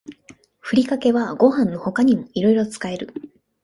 ふりかけはご飯の他にもいろいろ使える